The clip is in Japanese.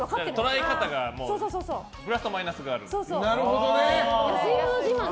捉え方がプラスとマイナスがある。